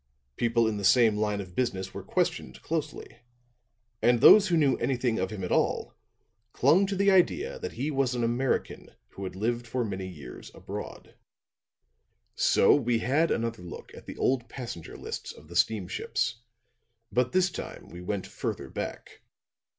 People in the same line of business were questioned closely; and those who knew anything of him at all clung to the idea that he was an American who had lived for many years abroad. "'So we had another look at the old passenger lists of the steamships; but this time we went further back.